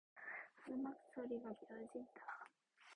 음악 소리가 커진다.